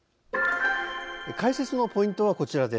解説のポイントはこちらです。